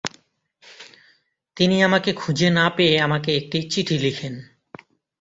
তিনি আমাকে খুঁজে না পেয়ে আমাকে একটি চিঠি লিখেন।